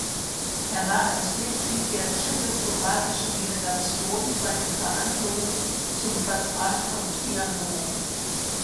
Er war als Mitglied der tschechoslowakischen Delegation bei den Verhandlungen zum Vertrag von Trianon.